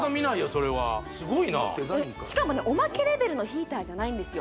それはすごいなしかもねおまけレベルのヒーターじゃないんですよ